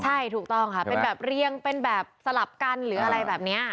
ใช่ถูกต้องค่ะเป็นแบบเรียงเป็นแบบสลับกันหรืออะไรแบบนี้